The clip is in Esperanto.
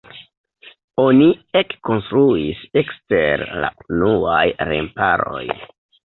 Oni ekkonstruis ekster la unuaj remparoj.